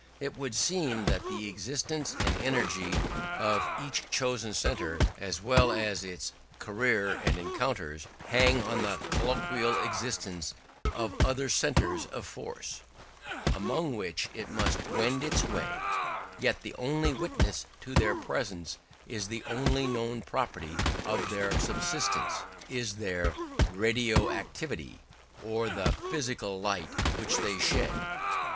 It would seem that the existence and energy of each chosen centre, as well as its career and encounters, hang on the collateral existence of other centres of force, among which it must wend its way: yet the only witness to their presence, and the only known property of their substance, is their "radio activity", or the physical light which they shed.